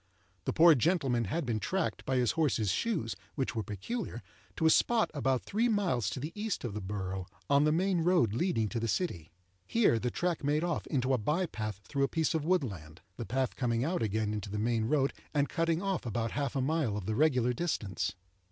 The poor gentleman had been tracked, by his horse's shoes (which were peculiar), to a spot about three miles to the east of the borough, on the main road leading to the city. Here the track made off into a by path through a piece of woodland—the path coming out again into the main road, and cutting off about half a mile of the regular distance.